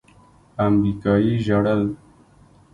امريکايي ژړل.